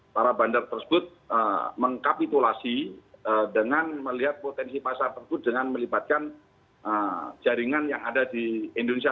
para bandar tersebut mengkapitulasi dengan melihat potensi pasar tersebut dengan melibatkan jaringan yang ada di indonesia